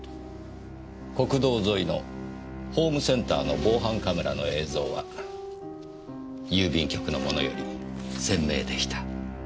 国道沿いのホームセンターの防犯カメラの映像は郵便局のものより鮮明でした。